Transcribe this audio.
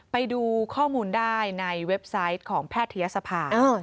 ไปดูข้อมูลได้ในเว็บไซต์ของแพทยศภา